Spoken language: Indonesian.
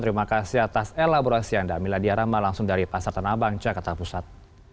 terima kasih atas elaborasi anda miladia rahma langsung dari pasar tanah abang jakarta pusat